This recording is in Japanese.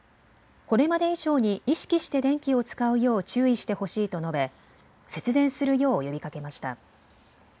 これまで以上に意識して電気を使うよう注意してほしいと述べ節電するよう呼びかけました。